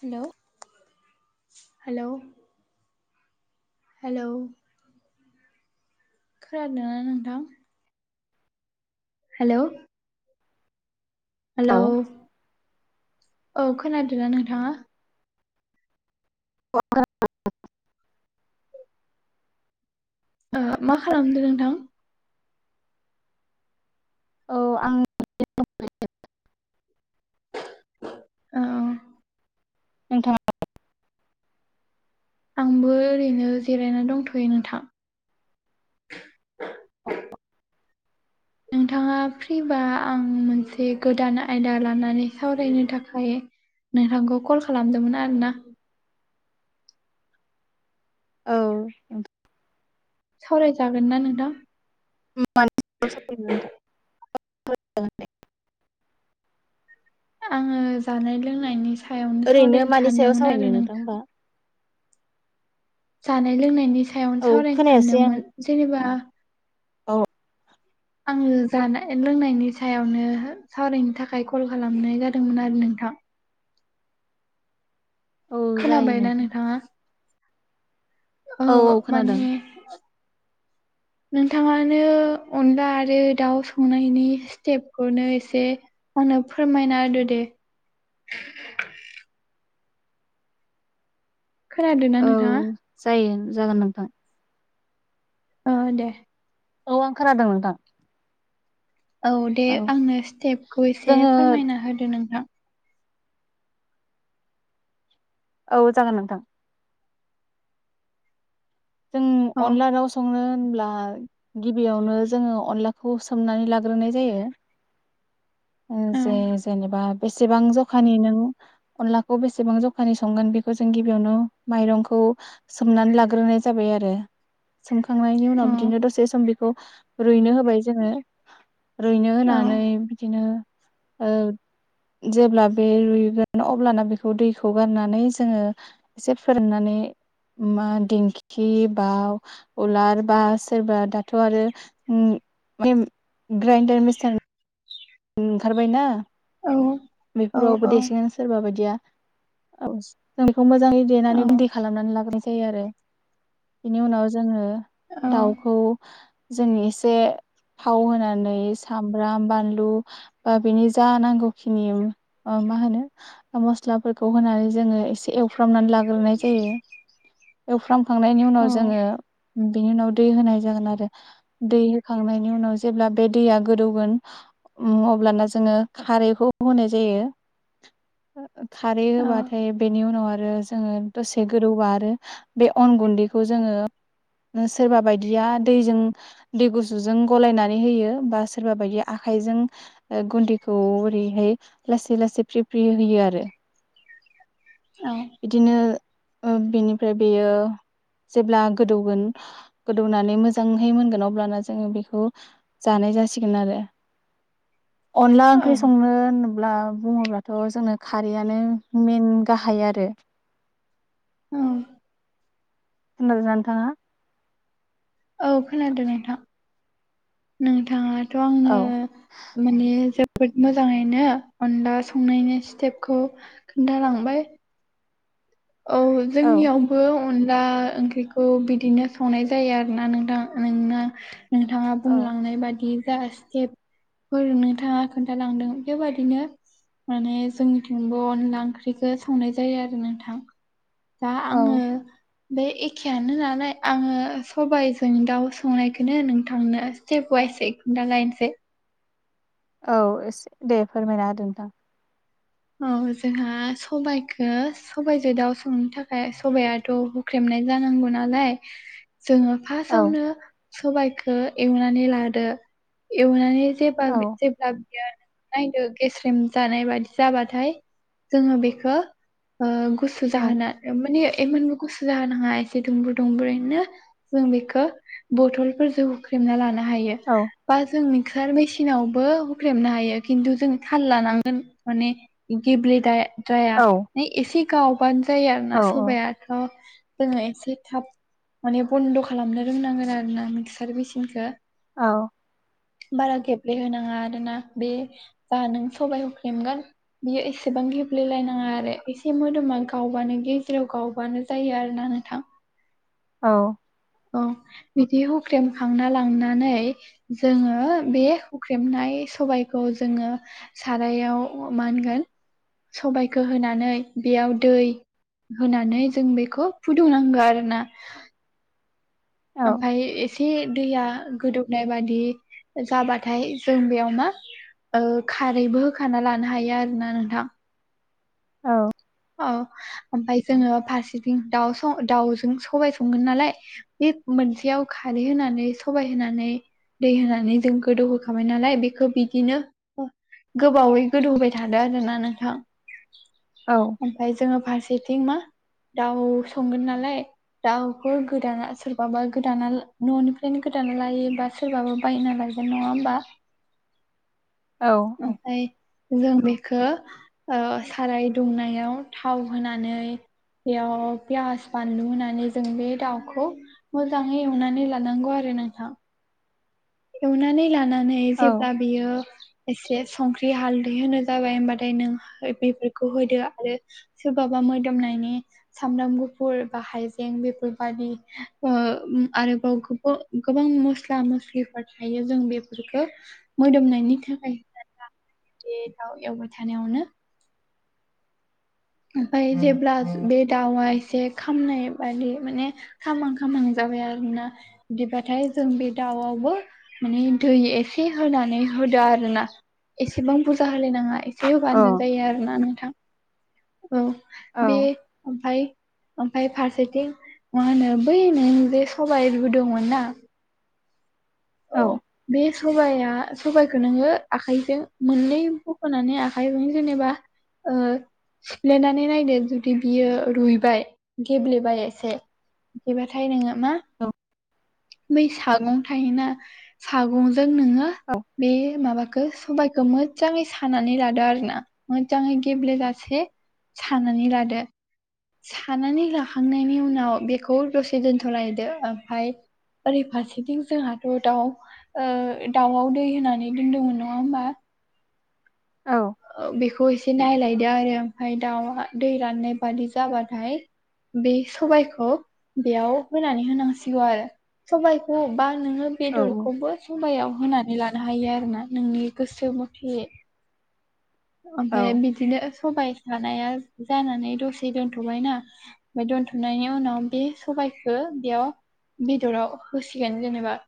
Hello hello hello खोनादों ना नोंथां हेलौ औ हेलौ औ खोनादोंना नोंथांआ ओ मा खालामदों नोंथां औ आं दं ओरैनो औ नोंथांआ आंबो ओरैनो जिरायना दंथ'यो नोंथां औ [inaudible] नोंथाआ फ्रिबा आं मोनसे गोदान आयदा लानानै सावरायनो थाखाय नोंथांखौ कल खालामदोंमोन आरोना औ सावरायजागोन ना नोंथां म [inaudible] आङो जानाय लोंनायनि सायावनो ओरैनो सावरायनो मानि सायाव सानदोंमोन सावरायनो आरो होमबा? नोंथां जानाय लोंनायनि सायावनो औ सावरायनो खोनायासै आं सानदोंमोन जेनोबा औ आङो जानाय लोंनायनि सायावनो सावरायनो थाखाय कल खालामनाय जादोंमोन आरो नोंथां औ जायो खोनाबायना नोंथां नोंथांआ ओ औ औ खोनादों। माने नोंथांआनो अनला आरो दाउ संनायनि स्टेप खौनो एसे आंनो फोरमायना होदो दे खोनादोंना औ नोंथांआ जायो जागोन नोंथां ओ दे औ आं खोनादों नोंथां औ दे आंनो स्टेपखौ एसे जोङो फोरमायना होदो नोंथां औ जागोन नोंथां जों औ अनला दाउ सं संनो होनब्ला गिबिआवनो जोङो अनलाखौ सोमनानै लाग्रोनाय जायो ओ औ जे जेनोबा बेसेबां जखानि नों अनलाखौ बेसेबां जखानि संगोन बेखौ जों गिबिआवनो माइरंखौ हो सोमनानै लाग्रोनाय जाबाय आरो सोमखांनायनि औ उनाव बिदिनो दसे सम बेखौ रुइनो होबाय जोङो रुइनो होनानै बिदिनो ओ जेब्ला बे रुइगोन अब्लाना बेखौ दैखौ गारनानै जोङो एसे फोरनानै मा दिंखि बाव उलार बा सोरबा दाथ' आरो उम ग्रेन ग्रेन्डार मेचिन ओंखारबायना औ बेफोरावबो देसिगोन सोरबा बायदिआ औ जों बेखौ मोजाङै औ देनानै गुन्दै खालामनानै लागोरनाय जायो आरो बेनि उनाव जोङो दाउखौ हो जों एसे थाव होनानै सामब्राम बानलु ओ बिनि जा नांगौ खिनि ओ‌ मा होनो मस्लाफोरखौ होनानै जोङो एसे एव हुफ्रामनानै लाग्रोनाय जायो ऐवफ्रामखांनायनि औ उनाव जोङो बेनि उनाव दै होनाय जागोन आरो दै होखांनायनि उनाव जेब्ला बे दैआ गोदौगोन हो उम अब्लाना जोङो खारैखौ होनाय जायो ओ खारै होबाथाय बेनि उनाव आरो जोङो दसे गोदौबा आरो बे अन गुन्दैखौ जोङो सोरबा बायदिया दैजों दै गुसुजों गलायनानै होयो बा सोरबा बायदिया आखाइजों गुन्दैखौ ओरैहाय लासै लासै फ्रि फ्रि होयो आरो औ बिदिनो बेनिफ्राय बेयो जेब्ला गोदौगोन गोदौनानै मोजांहै मोनगोन अब्लाना जोङो बेखौ जानाय जासिगोन आरो अनला औ ओंख्रि संनो होनोब्ला बुङोब्लाथ' जोंनो खारैयानो मेन गाहाय आरो औ [unintelligible] नोंथाङा औ खोनादों नोंथां नोंथाङाथ' आं औ माने जोबोद मोजाङैनो अनला संनायनि स्टेपखौ खोन्थालांबाय औ औ जोंनियाव बो अनला ओंख्रिखौ बिदिनो संनाय जायो आरोना नोंथां नोंना नोंथाङा औ बुंलांनाय बादि जा केबफोर नोंथाङा खोन्थालांदों बेबादिनो माने जोंनिथिंबो अनला ओंख्रिखौ संनाय जायो आरो नोंथां दा आङो औ बे एखेयानो नालाय आङो सबाइजों दाउ संनायखौनो नोंथांनो [unintelligible] औ एसे दे फोरमायना होदो नोंथां औ जोंहा सबाइखौ सबाइजों दाउ संनो थाखाय सबायाथ' हुख्रेमनाय जानांगौ नालाय जोङो औ फार्स्टावनो सबाइखौ एवनानै लादो एवनानै जे औ जेब्ला बियो नायदो गेस्रेम जानाय बादि जाबाथाय जोङो बेखौ गुसु औ जाहोना माने [unintelligible] गुसु जानाङा एसे दुंब्रु दुंब्रुयैनो जों बेखौ बथलफोरजों होख्रेमना लानो हायो औ बा जों मिक्सार मेसिनावबो हुख्रेबनो हायो खिन्थु जों थाल लानांगोन माने गेब्ले जाया ना एसे गावबानो जाया आरो औ ना सबाया जोङो एसे थाब माने बन्द' खालामनो रोंनांगोन आरो ना मिक्सार मेसिनखौ औ बारा गेब्लेहोनाङा आरोना बे जा नों सबाइ हफ्लेमगोन बियो एसेबां गेब्लेलायनाङा आरो एसे मोदोमा गावबानो गेजेराव गावबानो जायो आरोना नोंथां औ औ बिदि हुख्रेम खांना लांनानै जोङो बे हुख्रेमनाय सबायखौ जोङो सारायाव मा होनगोन सबाइखौ होनानै बेयाव दै होनानै जों बेखौ फुदुंनांगौ आरोना औ ओमफ्राय एसे दैया गोदौनाय बादि जाबाथाय जों बेयाव मा खारैबो होखाना लानो हायो आरो ना नोंथां औ औ ओमफ्राय जोङो फारसेथिं दाउ दाउजों सबाय संगोन नालाय बे मोनसेयाव खारै होनानै सबाइ होनानै दै होनानै जों गोदौहोखाबाय नालाय बेखौ बिदिनो गोबावै गोदौ होबाय थादों आरोना नोंथां। औ ओमफ्राय जोङो फारसेथिं मा दाउ संगोन नालाय दाउखौ गोदाना सोरबाबा गोदाना न'निफ्रायनो गोदाना लायोबा सोरबाबा बायना लायगोन नङा ओमबा? औ ओमफाय जों बेखो ओ साराइ दुंनायाव थाव होनानै बेयाव पियास बानलु होनानै जों बे दाउखौ मोजाङै एवनानै लानांगौ आरो नोंथां। एवनानै लानानै जेब्ला बेयो एसे संख्रि हालदै होनो जाबाय ओमबाथाय नों बेफोरखौ होदो आरो सोरबाबा मोदोमनायनि सामब्राम गुफुर बा हायजें बेफोरबादि ओ आरोबाव गोबाव गोबां मस्ला मस्लिफोर थायो जों बेफोरफोरखो मोदोमनायनि थाखाय [unintelligible] बे दाउ एवबाय थानायावनो ओमफाय जेब्ला बे दाउआ एसे खामनाय बादि माने खामां खामां जाबाय आरोना। बिदिबाथाय जों बे दाउआवबो माने दै एसे होनानै होदो आरोना एसेबां बुरजा होलाय नाङा। एसे होबानो जायो आरोना नोंथां औ बे ओमफ्राय ओमफ्राय फारसेथिं मा होनो बै नों जे सबाइ रुदोंमोन ना औ बे सबाइया सबाइखौ नोङो आखाइजों मोननै बख'नानै आखाइजों जेनेबा ओ सिफ्लेनानै नायदो जुदि बियो रुइबाय गेब्लेबाय एसे बिदिबाथाय नोङो मा अ बै सागं थायोना सागंजों नोङो बे माबा खो सबाइखो मोजाङै सानानै लादो आरोना मोजाङै गेब्लेेजासे सानानै लादो। सानानै लाखांनायनि उनाव बेखौ दसे दोनथ'लायदो ओमफ्राय ओरै फारसेथिं जोंहाथ' दाउ ओ दाउआव दै होनानै दोनदोंमोन नङा ओमबा औ ओ बेखौ एसे नायलायदो आरो ओमफ्राय दाउआ दै राननाय बादि जाबाथाय बे सबाइखौ बेयाव होनानै होनांसिगौ आरो। सबाइखौ बा नोङो बेदरखौबो सबायाव होनानै लानो हायो आरोना नोंनि गोसो मथे ओमफ्राय बिदिनो सबाइ सानाया जानानै दसे दोनथ'बायना ओमफ्राय दोनथ'नायनि उनाव बे सबाइखौ बेयाव बेदराव होसिगोन जेनेबा।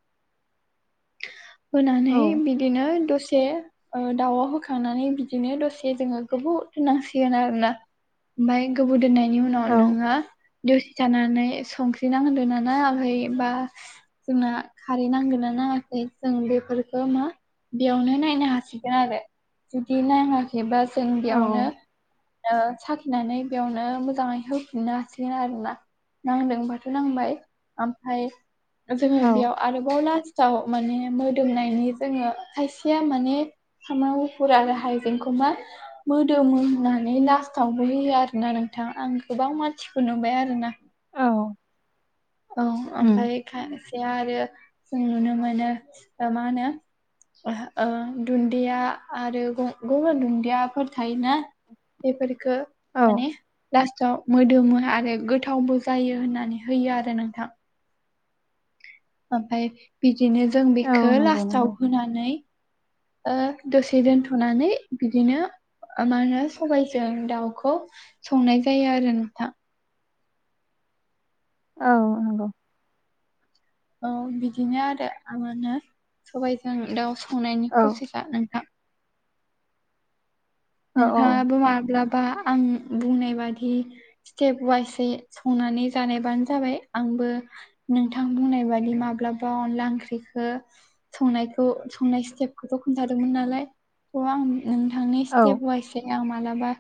होनानै बिदिनो दसे ओ दाउआव होखांनानै बिदिनो दसे जोङो गोबाव दोननांसिगोन आरोना। ओमफाय गोबौ दोननायनि उनाव नोङो दसे थानानै संख्रि नांदोंना नाङाखै बा जोंना खारै नांदोंना नाङा खै जों बेफोरखौ मा बेयावनो नायनो हासिगोन आरो। जुदि नाङाखैबा जों बेयावनो ओ साखिनानै बेयावनो मोजाङै होफिननो हासिगोन आरोना। नांदोंबाथ' नांबाय ओमफाय जोङो बेयाव आरोबाव लास्टाव माने मोदोमनायनि जोङो खायसेया माने सामब्राम गुफुर आरो हाइजेंखौ मा मोदोम होननानै लास्टावबो होयो आरोना नोंथां आं गोबां मानसिखौ नुबाय आरो ना औ ओमफाय खायसेया आरो जों नुनो मोनो मा होनो ओ दुन्दिया आरो गुबुन दुन्दियाफोर थायोना बेफोरखो माने लास्टाव मोदोमो आरो गोथावबो जायो होननानै होयो आरो नोंथां ओमफाय बिदिनो जों बेखौ लास्टाव होनानै ओ दसे दोनथ'नानै बिदिनो मा होनो सबायजों दाउखौ संनाय जायो आरो नोंथां औ नंगौ औ बिदिनो आरो आंना [unintelligible] सबायजों दाउ संनायनि प्रसेसा नोंथां नोंथाङाबो माब्लाबा आं बुंनाय बादि स्टेप वाइसयै संनानै जानायबानो जाबाय आंबो नोंथां बुंनाय बादि माब्लाबा अनला ओंख्रिखो संनायखौ संनाय स्टेपखौथ' खोनथादोंमोन नालाय थ' आं नोंथांनि थेअबायसै आं मालाबा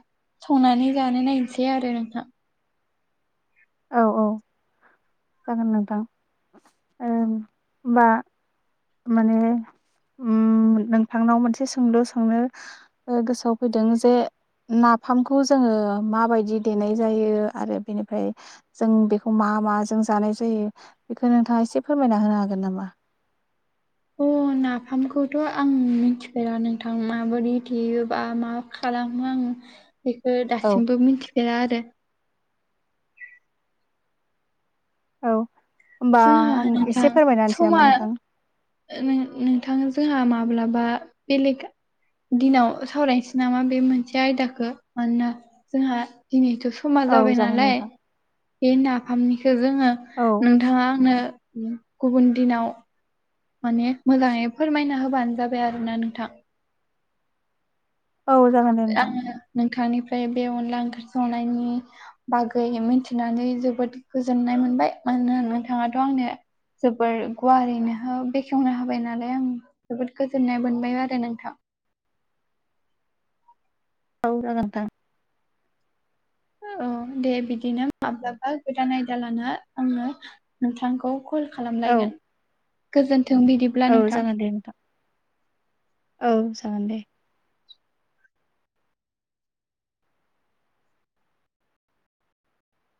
संनानै जानो नायसै आरो नोंथां औ औ जागोन नोंथां ओ होमबा माने उम नोंथांनाव मोनसे सोंलु सोंनो गोसोआव फैदों जे नाफामखौ जोङो माबायदि देनाय जायो आरो बेनिफ्राय जों बेखौ मा माजों जानाय जायो बेखौ नोंथाङा एसे फोरमायना होनो हागोन नामा अ नाफामखौथ' आं मिथिफेरा नोंथां माबोरै देयोबा मा खालामो आं बेखौ औ दासिमबो मिथिफेरा आरो औ होमबा जोंहा आं एसे फोरमायना होनसै नामा नोंथां ओ नोंथां जोंहा माब्लाबा बेलेग दिनाव सावरायनोसै नामा बे मोनसे आयदाखौ मानोना जोंहा दिनैथ' समा औ जाबाय जागोन नालाय नोंथां बे नाफामनिखौ जोङो औ नोंथाङा आंनो गुबुन दिनाव माने मोजाङै फोरमायना होबानो जाबाय आरोना नोंथां औ जागोन दे नोंथां। आङो नोंथांनिफ्राय बे अनला ओंख्रि संनायनि बागै मिथिनानै जोबोद गोजोननाय मोनबाय मानोना नोंथाङाथ' आंनो जोबोर गुवारैनो बेखेवनो होबाय नालाय आंनो जोबोद गोजोननाय मोनबाय आरो नोंथां औ जागोन नोंथां औ दे बिदिनो माब्लाबा गोदान आयदा लाना आङो नोंथांखौ कल औ खालामलायगोन गोजोन्थों बिदि औ जागोन दे नोंथां औ जागोन दे